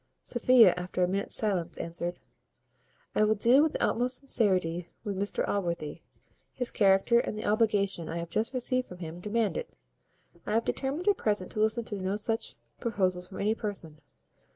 Sophia, after a minute's silence, answered, "I will deal with the utmost sincerity with Mr Allworthy. His character, and the obligation I have just received from him, demand it. I have determined at present to listen to no such proposals from any person.